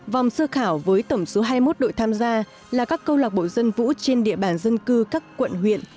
vòng sơ khảo với tổng số hai mươi một đội tham gia là các câu lạc bộ dân vũ trên địa bàn dân cư các quận huyện